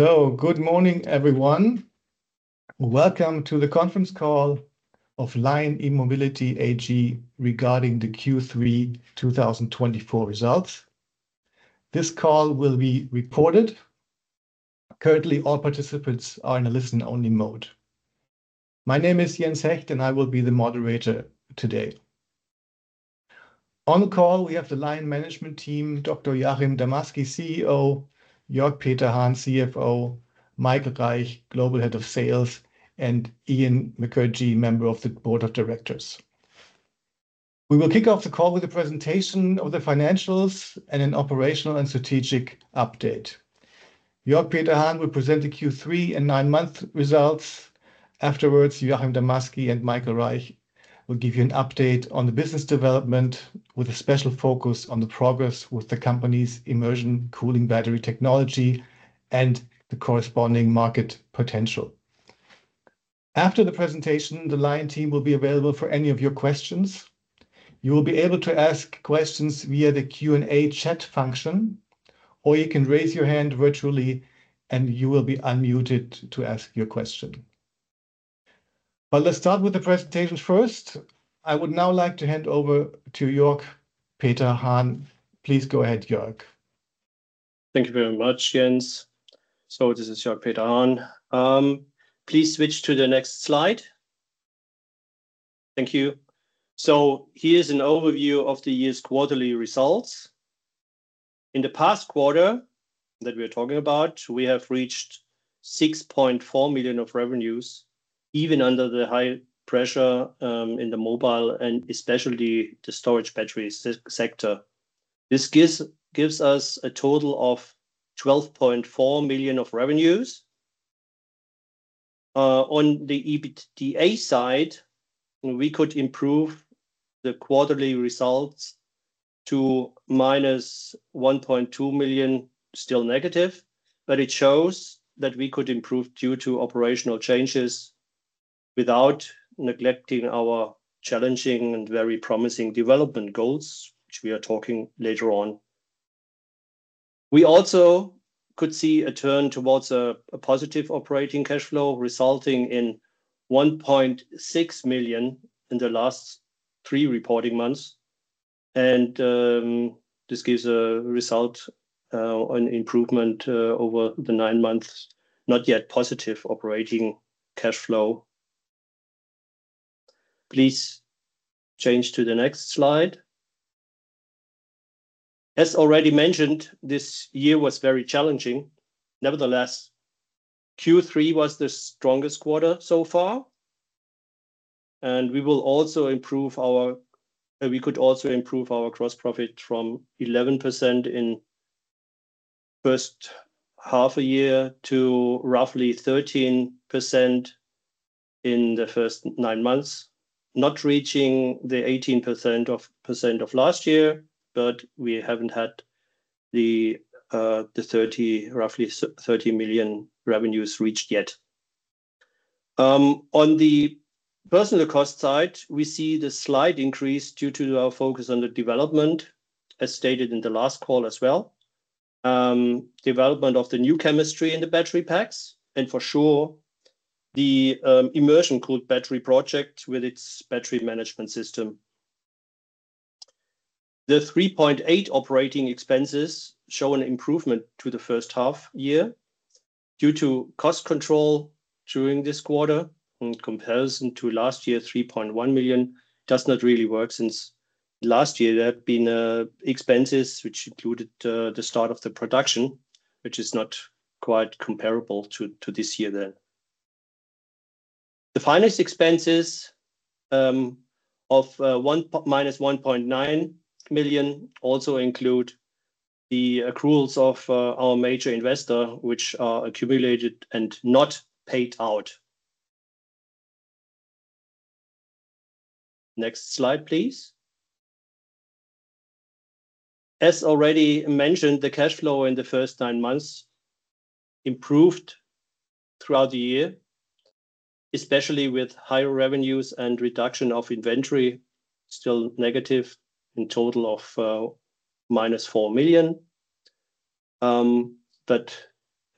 Good morning, everyone. Welcome to the conference call of LION E-Mobility AG regarding the Q3 2024 results. This call will be recorded. Currently, all participants are in a listen-only mode. My name is Jens Hecht, and I will be the moderator today. On the call, we have the LION management team, Dr. Joachim Damasky, CEO, Jörg Peter Hahn, CFO, Michael Reich, Global Head of Sales, and Ian Mukherjee, member of the Board of Directors. We will kick off the call with a presentation of the financials and an operational and strategic update. Jörg Peter Hahn will present the Q3 and nine-month results. Afterwards, Joachim Damasky and Michael Reich will give you an update on the business development, with a special focus on the progress with the company's immersion cooling battery technology and the corresponding market potential. After the presentation, the LION team will be available for any of your questions. You will be able to ask questions via the Q&A chat function, or you can raise your hand virtually, and you will be unmuted to ask your question. Let's start with the presentations first. I would now like to hand over to Jörg Peter Hahn. Please go ahead, Jörg. Thank you very much, Jens. This is Jörg Peter Hahn. Please switch to the next slide. Thank you. Here's an overview of the year's quarterly results. In the past quarter that we're talking about, we have reached 6.4 million in revenues, even under the high pressure in the mobile and especially the storage battery sector. This gives us a total of 12.4 million in revenues. On the EBITDA side, we could improve the quarterly results to minus 1.2 million, still negative, but it shows that we could improve due to operational changes without neglecting our challenging and very promising development goals, which we are talking later on. We also could see a turn towards a positive operating cash flow, resulting in 1.6 million in the last three reporting months, and this gives a result, an improvement over the nine months, not yet positive operating cash flow. Please change to the next slide. As already mentioned, this year was very challenging. Nevertheless, Q3 was the strongest quarter so far, and we could also improve our gross profit from 11% in first half year to roughly 13% in the first nine months. Not reaching the 18% of last year, but we haven't had the roughly 13 million in revenues reached yet. On the personnel cost side, we see the slight increase due to our focus on the development, as stated in the last call as well. Development of the new chemistry in the battery packs, and for sure, the immersion cooling battery project with its battery management system. The 3.8 million in operating expenses show an improvement to the first half year due to cost control during this quarter. In comparison to last year, 3.1 million does not really work since last year there have been expenses which included the start of the production, which is not quite comparable to this year. Then. The finance expenses of minus 1.9 million also include the accruals of our major investor, which are accumulated and not paid out. Next slide, please. As already mentioned, the cash flow in the first nine months improved throughout the year, especially with higher revenues and reduction of inventory, still negative, in total of minus 4 million. But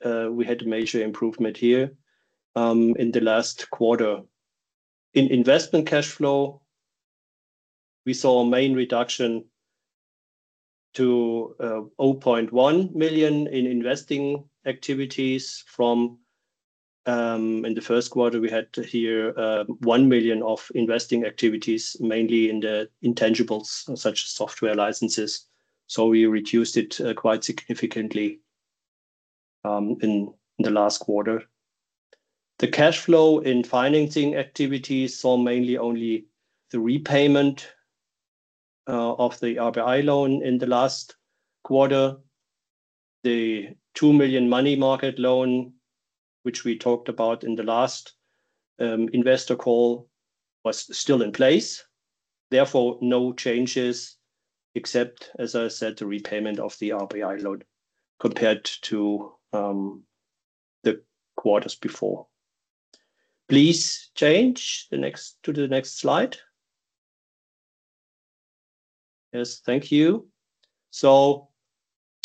we had a major improvement here in the last quarter. In investment cash flow, we saw a main reduction to 0.1 million in investing activities from, in the first quarter, we had here 1 million of investing activities, mainly in the intangibles, such as software licenses. We reduced it quite significantly in the last quarter. The cash flow in financing activities saw mainly only the repayment of the RPI loan in the last quarter. The 2 million money market loan, which we talked about in the last investor call, was still in place. Therefore, no changes except, as I said, the repayment of the RPI loan compared to the quarters before. Please change to the next slide. Yes. Thank you.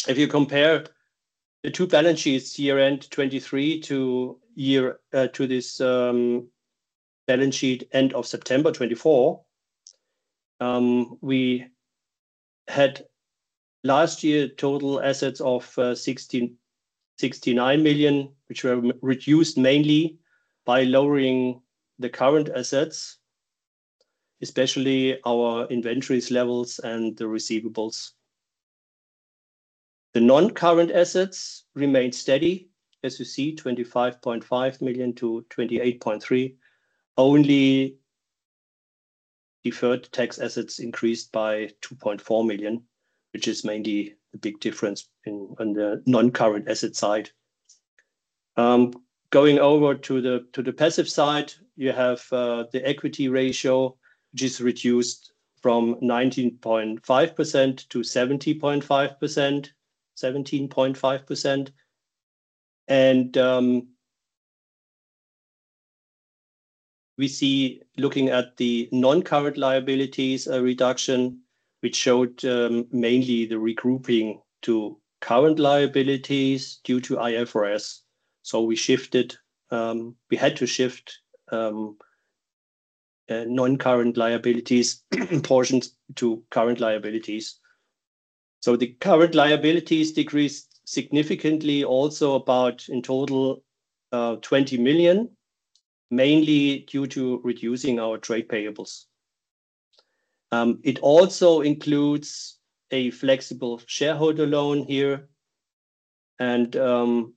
If you compare the two balance sheets, year-end 2023 to this balance sheet end of September 2024, we had last year total assets of 69 million, which were reduced mainly by lowering the current assets, especially our inventories levels and the receivables. The non-current assets remained steady. As you see, 25.5 million to 28.3 million. Only deferred tax assets increased by 2.4 million, which is mainly the big difference on the non-current asset side. Going over to the passive side, you have the equity ratio, which is reduced from 19.5% to 17.5%. We see, looking at the non-current liabilities reduction, which showed mainly the regrouping to current liabilities due to IFRS. We had to shift non-current liabilities portions to current liabilities. The current liabilities decreased significantly also about, in total, 20 million, mainly due to reducing our trade payables. It also includes a flexible shareholder loan here. And here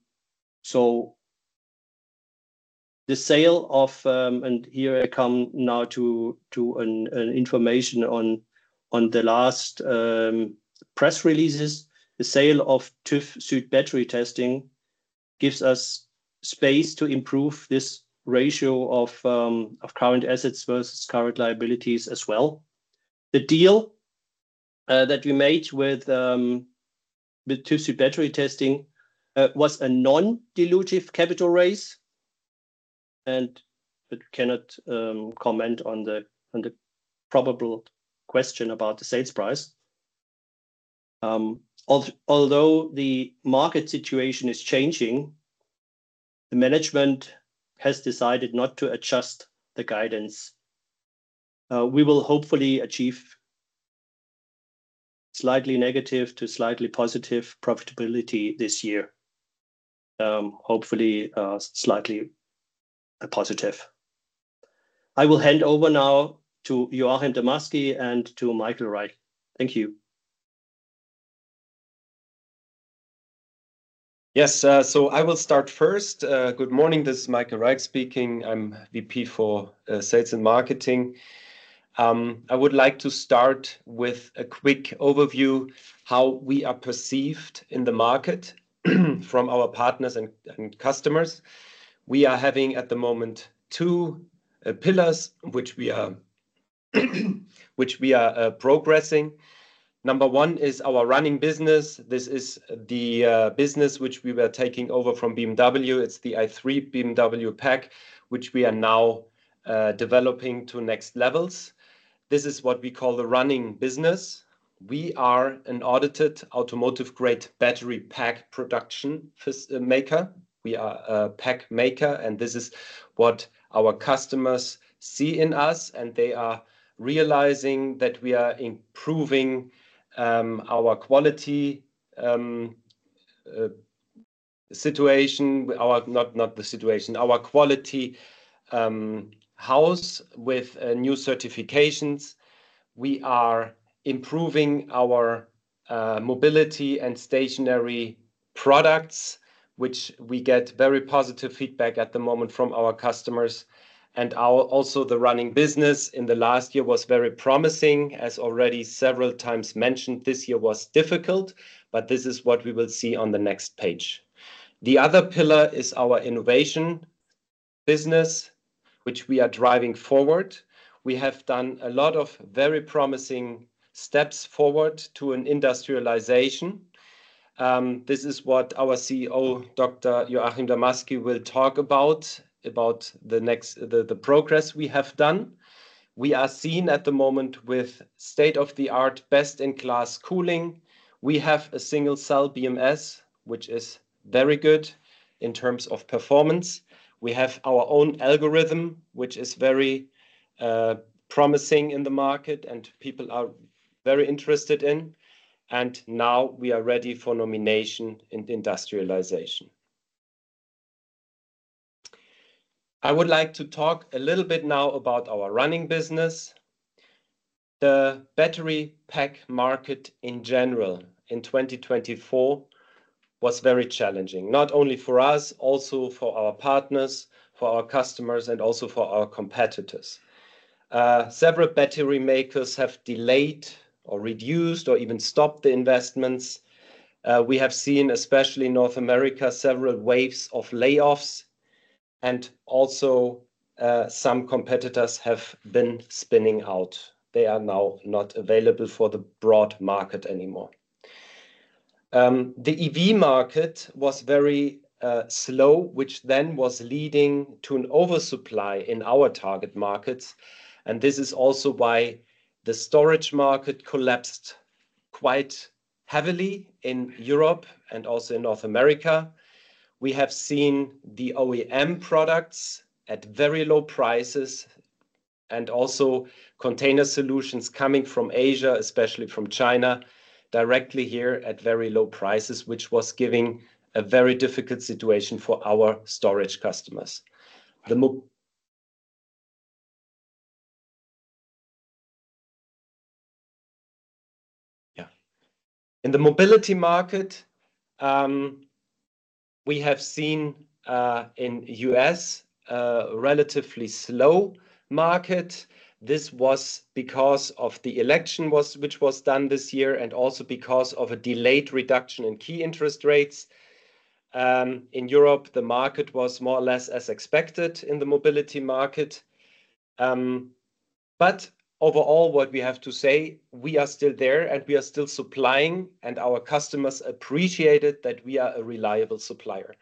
I come now to an information on the last press releases. The sale of TÜV SÜD Battery Testing gives us space to improve this ratio of current assets versus current liabilities as well. The deal that we made with TÜV SÜD Battery Testing was a non-dilutive capital raise, and I cannot comment on the probable question about the sales price. Although the market situation is changing, the management has decided not to adjust the guidance. We will hopefully achieve slightly negative to slightly positive profitability this year. Hopefully, slightly positive. I will hand over now to Joachim Damasky and to Michael Reich. Thank you. Yes. I will start first. Good morning. This is Michael Reich speaking. I'm VP for Sales and Marketing. I would like to start with a quick overview how we are perceived in the market from our partners and customers. We are having, at the moment, two pillars, which we are progressing. Number one is our running business. This is the business which we were taking over from BMW. It's the BMW i3 pack, which we are now developing to next levels. This is what we call the running business. We are an audited automotive-grade battery pack production maker. We are a pack maker, and this is what our customers see in us, and they are realizing that we are improving our quality house with new certifications. We are improving our mobility and stationary products, which we get very positive feedback at the moment from our customers. Also the running business in the last year was very promising. As already several times mentioned, this year was difficult, but this is what we will see on the next page. The other pillar is our innovation business, which we are driving forward. We have done a lot of very promising steps forward to an industrialization. This is what our CEO, Dr. Joachim Damasky, will talk about the progress we have done. We are seen at the moment with state-of-the-art, best-in-class cooling. We have a single-cell BMS, which is very good in terms of performance. We have our own algorithm, which is very promising in the market and people are very interested in, and now we are ready for nomination in industrialization. I would like to talk a little bit now about our running business. The battery pack market in general in 2024 was very challenging, not only for us, also for our partners, for our customers, and also for our competitors. Several battery makers have delayed or reduced or even stopped the investments. We have seen, especially in North America, several waves of layoffs, and also some competitors have been spinning out. They are now not available for the broad market anymore. The EV market was very slow, which then was leading to an oversupply in our target markets. This is also why the storage market collapsed quite heavily in Europe and also in North America. We have seen the OEM products at very low prices and also container solutions coming from Asia, especially from China, directly here at very low prices, which was giving a very difficult situation for our storage customers. In the mobility market, we have seen in U.S., a relatively slow market. This was because of the election which was done this year, also because of a delayed reduction in key interest rates. In Europe, the market was more or less as expected in the mobility market. Overall, what we have to say, we are still there, and we are still supplying, and our customers appreciate it that we are a reliable supplier.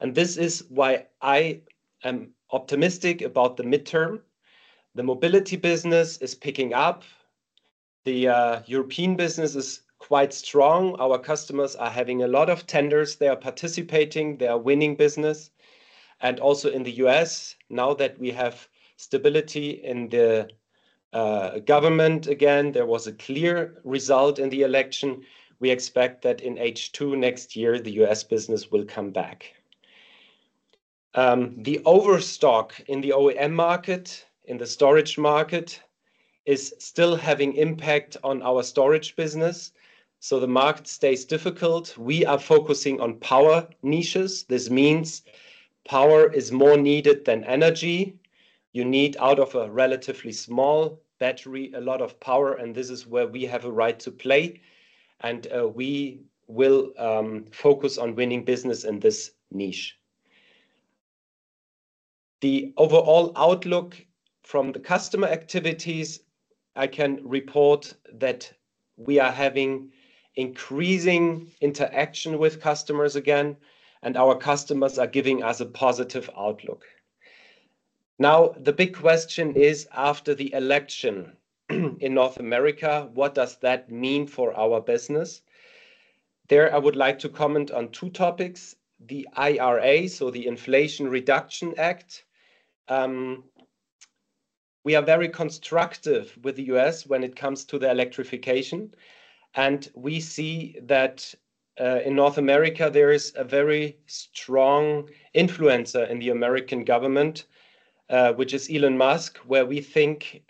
This is why I am optimistic about the midterm. The mobility business is picking up. The European business is quite strong. Our customers are having a lot of tenders. They are participating. They are winning business. Also in the U.S., now that we have stability in the government, again, there was a clear result in the election. We expect that in H2 next year, the U.S. business will come back. The overstock in the OEM market, in the storage market, is still having impact on our storage business. The market stays difficult. We are focusing on power niches. This means power is more needed than energy. You need out of a relatively small battery, a lot of power, and this is where we have a right to play, and we will focus on winning business in this niche. The overall outlook from the customer activities, I can report that we are having increasing interaction with customers again, and our customers are giving us a positive outlook. The big question is, after the election in North America, what does that mean for our business? I would like to comment on two topics, the IRA, so the Inflation Reduction Act. We are very constructive with the U.S. when it comes to the electrification, and we see that, in North America, there is a very strong influencer in the American government, which is Elon Musk, where we think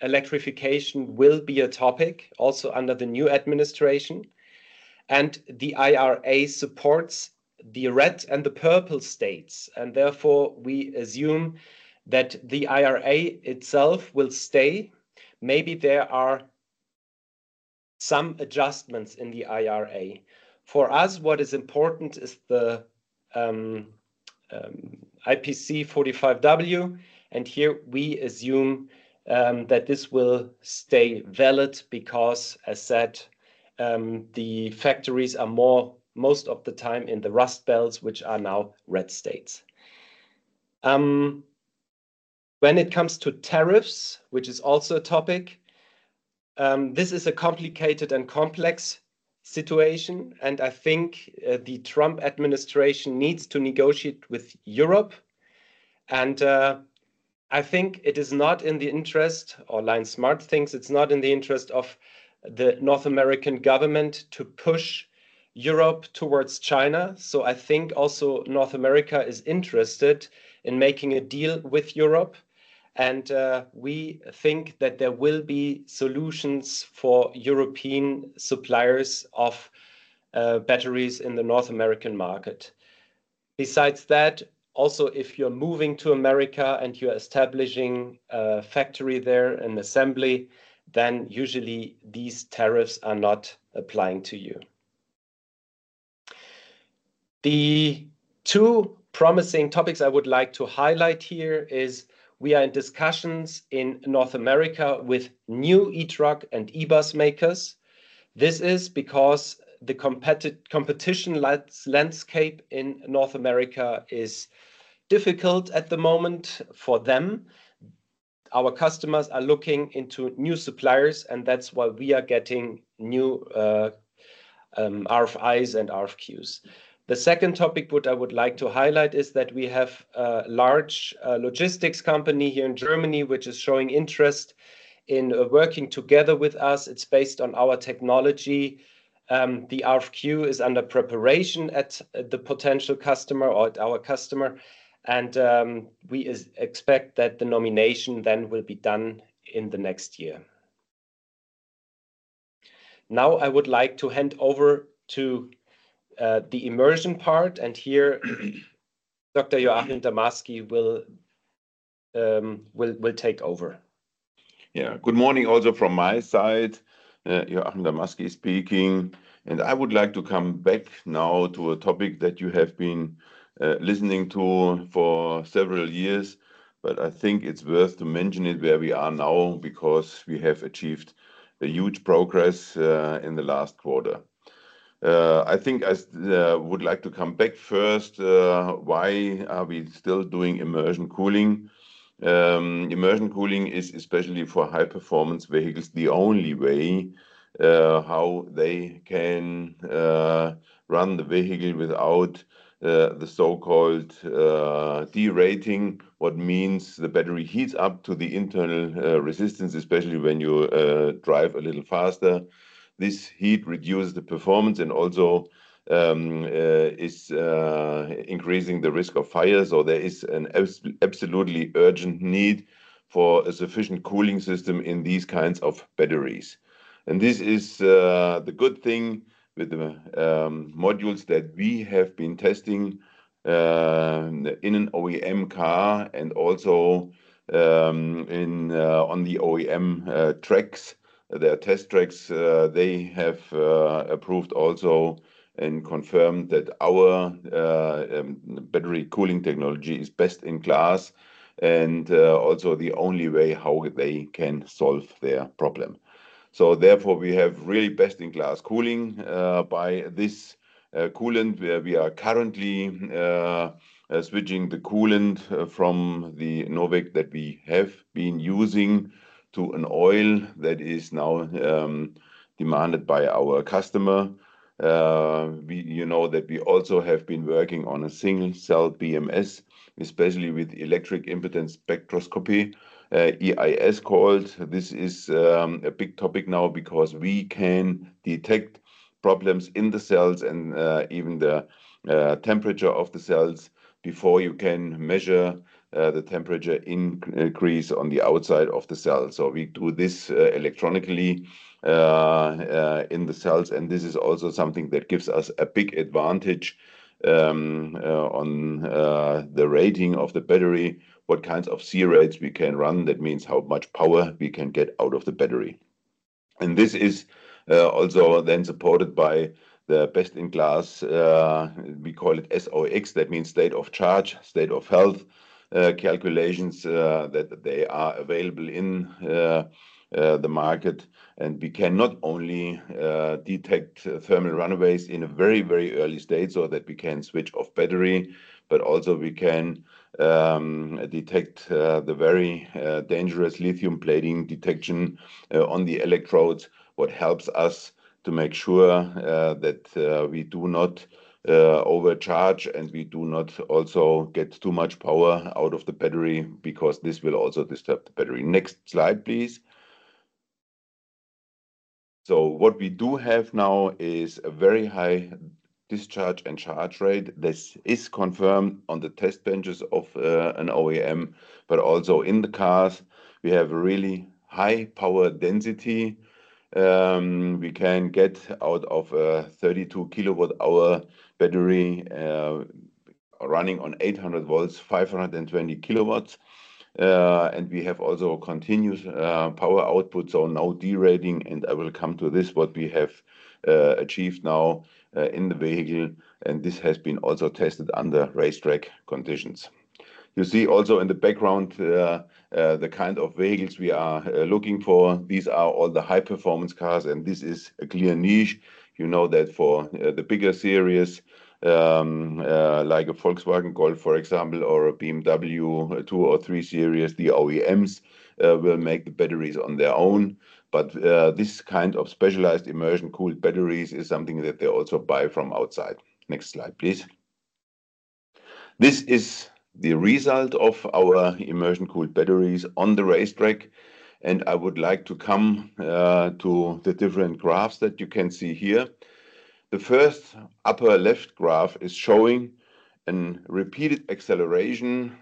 electrification will be a topic also under the new administration. The IRA supports the red and the purple states, and therefore, we assume that the IRA itself will stay. Maybe there are some adjustments in the IRA. For us, what is important is the IPC 45W, and here we assume that this will stay valid because, as said, the factories are more, most of the time, in the Rust Belt, which are now red states. When it comes to tariffs, which is also a topic, this is a complicated and complex situation, and I think the Trump administration needs to negotiate with Europe. I think it is not in the interest, or LION Smart thinks it's not in the interest of the North American government to push Europe towards China. I think also North America is interested in making a deal with Europe, and we think that there will be solutions for European suppliers of batteries in the North American market. Besides that, also, if you're moving to America and you're establishing a factory there, an assembly, then usually these tariffs are not applying to you. The two promising topics I would like to highlight here is we are in discussions in North America with new e-truck and e-bus makers. This is because the competition landscape in North America is difficult at the moment for them. Our customers are looking into new suppliers, and that's why we are getting new RFIs and RFQs. The second topic what I would like to highlight is that we have a large logistics company here in Germany, which is showing interest in working together with us. It's based on our technology. The RFQ is under preparation at the potential customer or our customer. We expect that the nomination then will be done in the next year. I would like to hand over to the Immersion part, and here Dr. Joachim Damasky will take over. Yeah. Good morning also from my side. Joachim Damasky speaking. I would like to come back now to a topic that you have been listening to for several years, but I think it's worth to mention it where we are now because we have achieved a huge progress in the last quarter. I would like to come back first, why are we still doing immersion cooling? Immersion cooling is especially for high-performance vehicles, the only way how they can run the vehicle without the so-called derating. What means the battery heats up to the internal resistance, especially when you drive a little faster. This heat reduces the performance and also is increasing the risk of fires. There is an absolutely urgent need for a sufficient cooling system in these kinds of batteries. This is the good thing with the modules that we have been testing in an OEM car and also on the OEM tracks. Their test tracks they have approved also and confirmed that our battery cooling technology is best in class, and also the only way how they can solve their problem. Therefore, we have really best-in-class cooling by this coolant, where we are currently switching the coolant from the Novec that we have been using, to an oil that is now demanded by our customer. You know that we also have been working on a single-cell BMS, especially with electrochemical impedance spectroscopy, EIS calls. This is a big topic now because we can detect problems in the cells and even the temperature of the cells before you can measure the temperature increase on the outside of the cell. We do this electronically in the cells, and this is also something that gives us a big advantage on the rating of the battery, what kinds of C-rates we can run. That means how much power we can get out of the battery. This is also then supported by the best-in-class, we call it SOX. That means state of charge, state of health, calculations that they are available in the market. We can not only detect thermal runaways in a very early state so that we can switch off battery, but also we can detect the very dangerous lithium plating detection on the electrodes, what helps us to make sure that we do not overcharge, and we do not also get too much power out of the battery because this will also disturb the battery. Next slide, please. What we do have now is a very high discharge and charge rate. This is confirmed on the test benches of an OEM, but also in the cars. We have really high power density. We can get out of a 32 kilowatt-hour battery, running on 800 volts, 520 kilowatts. We have also continuous power output, so no derating, and I will come to this, what we have achieved now in the vehicle. This has been also tested under racetrack conditions. You see also in the background the kind of vehicles we are looking for. These are all the high-performance cars, and this is a clear niche. You know that for the bigger series, like a Volkswagen Golf, for example, or a BMW 2 or 3 Series, the OEMs will make the batteries on their own. This kind of specialized immersion-cooled batteries is something that they also buy from outside. Next slide, please. I would like to come to the different graphs that you can see here. The first upper left graph is showing a repeated acceleration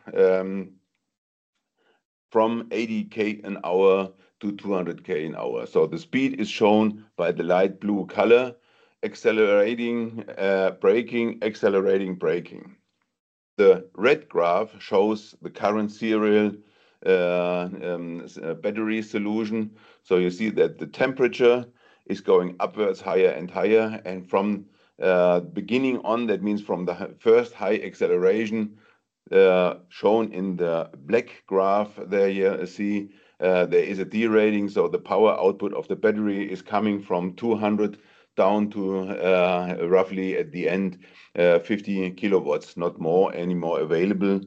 from 80k an hour to 200k an hour. The speed is shown by the light blue color accelerating, braking, accelerating, braking. The red graph shows the current serial battery solution. You see that the temperature is going upwards higher and higher, and from beginning on, that means from the first high acceleration shown in the black graph, there you see there is a derating. The power output of the battery is coming from 200 down to roughly at the end, 50 kilowatts. Not more anymore available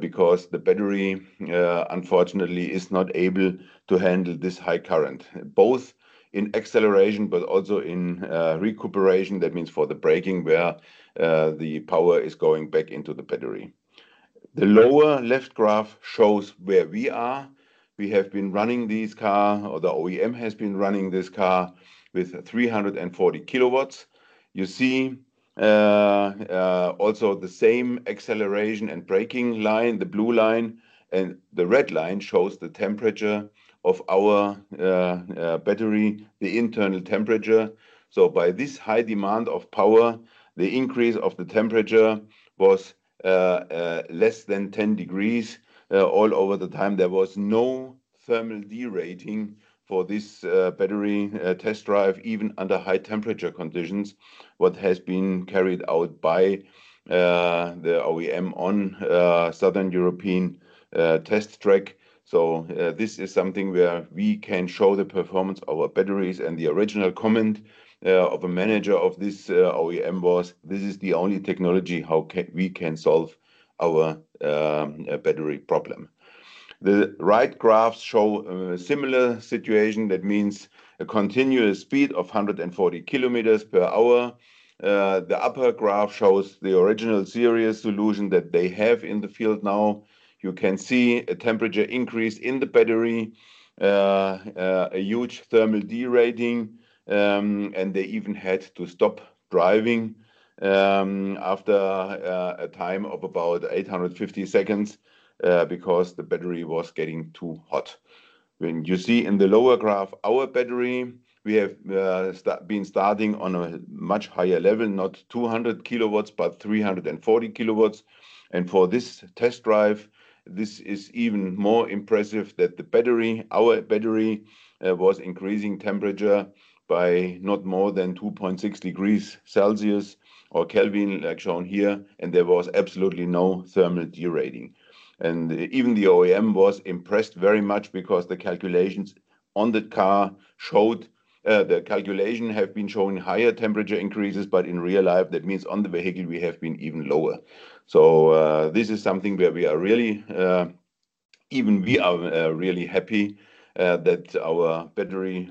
because the battery, unfortunately, is not able to handle this high current, both in acceleration but also in recuperation. That means for the braking, where the power is going back into the battery. The lower left graph shows where we are. We have been running this car, or the OEM has been running this car with 340 kilowatts. You see also the same acceleration and braking line, the blue line, and the red line shows the temperature of our battery, the internal temperature. By this high demand of power, the increase of the temperature was less than 10 degrees all over the time. There was no thermal derating for this battery test drive, even under high temperature conditions, what has been carried out by the OEM on Southern European test track. This is something where we can show the performance of our batteries. The original comment of a manager of this OEM was, "This is the only technology we can solve our battery problem." The right graphs show a similar situation. That means a continuous speed of 140 kilometers per hour. The upper graph shows the original series solution that they have in the field now. You can see a temperature increase in the battery, a huge thermal derating, and they even had to stop driving after a time of about 850 seconds because the battery was getting too hot. When you see in the lower graph our battery, we have been starting on a much higher level, not 200 kilowatts, but 340 kilowatts. For this test drive, this is even more impressive that our battery was increasing temperature by not more than 2.6 degrees Celsius or Kelvin, like shown here. There was absolutely no thermal derating. Even the OEM was impressed very much because the calculations on the car showed higher temperature increases, but in real life, that means on the vehicle, we have been even lower. This is something where even we are really happy that our battery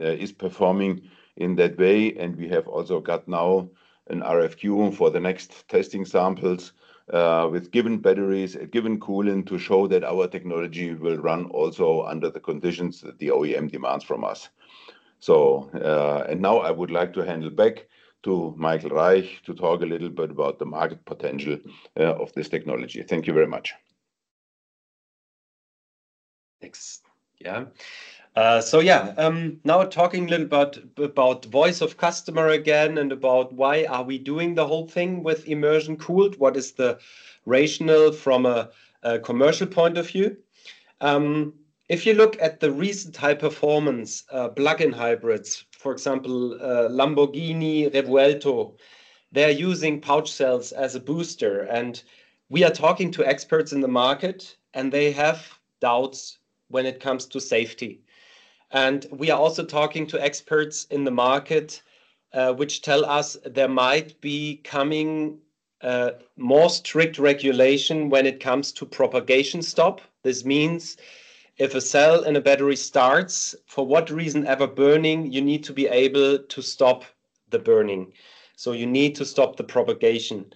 is performing in that way. We have also got now an RFQ for the next testing samples with given batteries, a given coolant, to show that our technology will run also under the conditions that the OEM demands from us. Now I would like to hand it back to Michael Reich to talk a little bit about the market potential of this technology. Thank you very much. Thanks. Yeah. Now talking a little about voice of customer again and about why are we doing the whole thing with immersion cooled, what is the rationale from a commercial point of view. If you look at the recent high performance plug-in hybrids, for example, Lamborghini Revuelto, they're using pouch cells as a booster, we are talking to experts in the market, and they have doubts when it comes to safety. We are also talking to experts in the market, which tell us there might be coming more strict regulation when it comes to propagation stop. This means if a cell in a battery starts, for what reason ever, burning, you need to be able to stop the burning. You need to stop the propagation.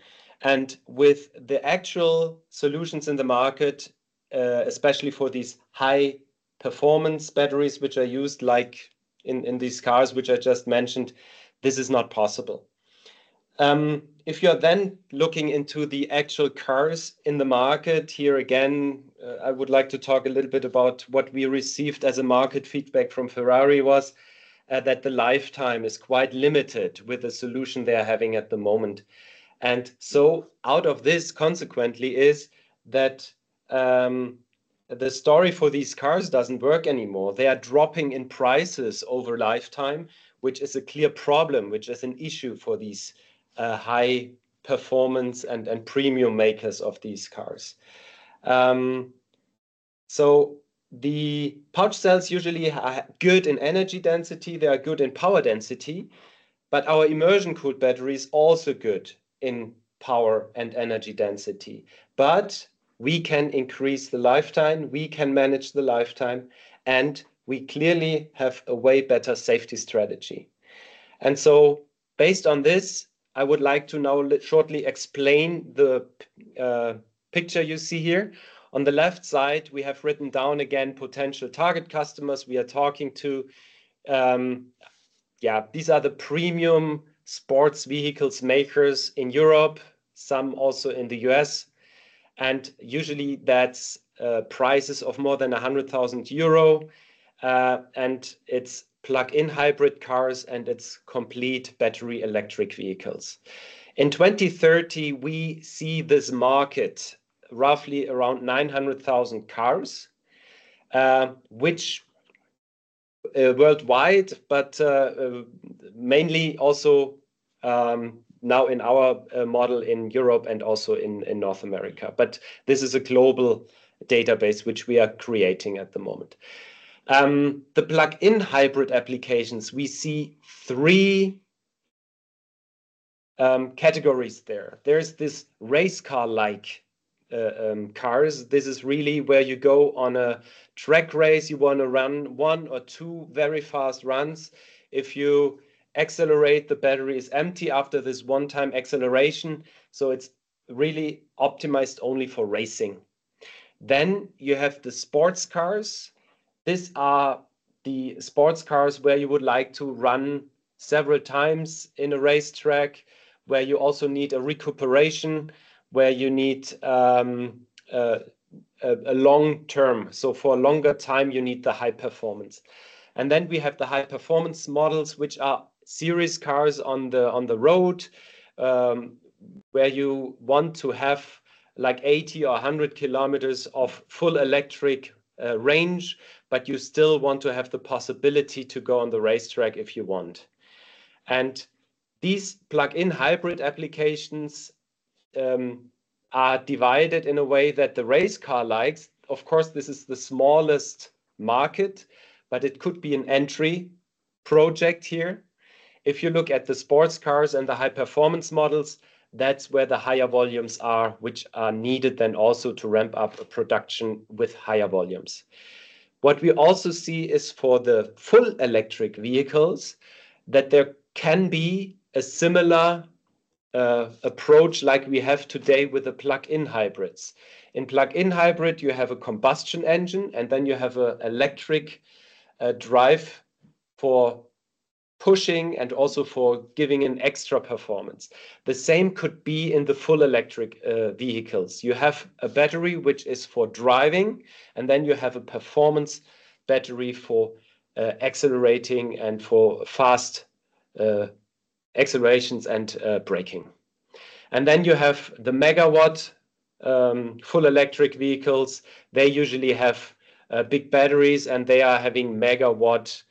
With the actual solutions in the market, especially for these high performance batteries, which are used like in these cars which I just mentioned, this is not possible. If you are then looking into the actual cars in the market, here again, I would like to talk a little bit about what we received as a market feedback from Ferrari was that the lifetime is quite limited with the solution they are having at the moment. Out of this, consequently, is that the story for these cars doesn't work anymore. They are dropping in prices over lifetime, which is a clear problem, which is an issue for these high performance and premium makers of these cars. The pouch cells usually are good in energy density, they are good in power density. Our immersion cooled battery is also good in power and energy density. We can increase the lifetime, we can manage the lifetime, and we clearly have a way better safety strategy. Based on this, I would like to now shortly explain the picture you see here. On the left side, we have written down again potential target customers we are talking to. These are the premium sports vehicles makers in Europe, some also in the U.S., and usually that's prices of more than 100,000 euro, and it's plug-in hybrid cars, and it's complete battery electric vehicles. In 2030, we see this market roughly around 900,000 cars, which worldwide, but mainly also now in our model in Europe and also in North America. This is a global database which we are creating at the moment. The plug-in hybrid applications, we see 3 categories there. There's this race car-like cars. This is really where you go on a track race. You want to run one or two very fast runs. If you accelerate, the battery is empty after this one-time acceleration, so it's really optimized only for racing. You have the sports cars. These are the sports cars where you would like to run several times in a racetrack, where you also need a recuperation, where you need a long term. For a longer time, you need the high performance. We have the high-performance models, which are series cars on the road, where you want to have 80 or 100 kilometers of full electric range, but you still want to have the possibility to go on the racetrack if you want. These plug-in hybrid applications are divided in a way that the race car-like. Of course, this is the smallest market, it could be an entry project here. If you look at the sports cars and the high-performance models, that's where the higher volumes are, which are needed then also to ramp up a production with higher volumes. What we also see is for the full electric vehicles, that there can be a similar approach like we have today with the plug-in hybrids. In plug-in hybrid, you have a combustion engine, and then you have an electric drive for pushing and also for giving an extra performance. The same could be in the full electric vehicles. You have a battery, which is for driving, and then you have a performance battery for accelerating and for fast accelerations and braking. You have the megawatt full electric vehicles. They usually have big batteries, and they are having megawatt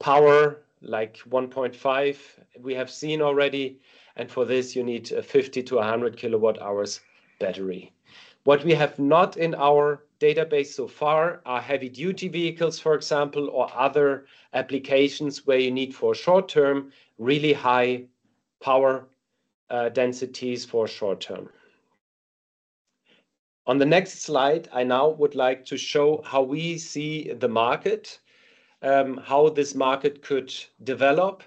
power, like 1.5 we have seen already. For this, you need a 50 to 100 kWh battery. What we have not in our database so far are heavy-duty vehicles, for example, or other applications where you need for short term, really high power densities for short term. On the next slide, I now would like to show how we see the market, how this market could develop.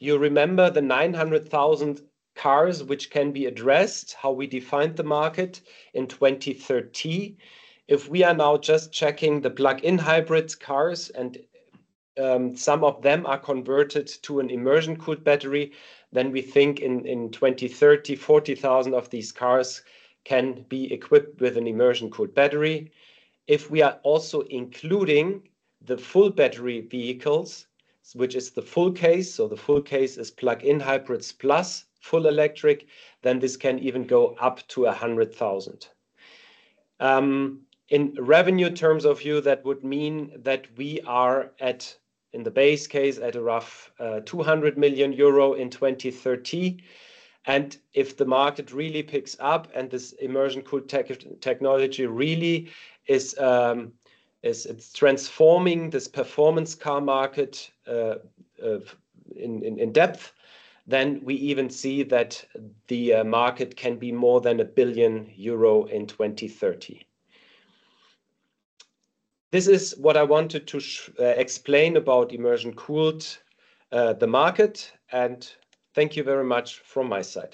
You remember the 900,000 cars which can be addressed, how we defined the market in 2030. If we are now just checking the plug-in hybrids cars, and some of them are converted to an immersion cooled battery, then we think in 2030, 40,000 of these cars can be equipped with an immersion cooled battery. If we are also including the full battery vehicles, which is the full case, so the full case is plug-in hybrids plus full electric, then this can even go up to 100,000. In revenue terms of view, that would mean that we are at, in the base case, at a rough 200 million euro in 2030. If the market really picks up and this immersion cooled technology really is transforming this performance car market in depth, then we even see that the market can be more than 1 billion euro in 2030. This is what I wanted to explain about immersion cooled, the market, and thank you very much from my side.